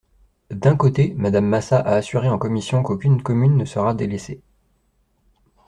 D’un côté, Madame Massat a assuré en commission qu’aucune commune ne sera délaissée.